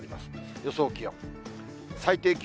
予想気温。